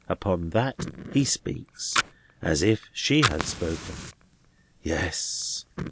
Upon that he speaks, as if she had spoken. "Yes!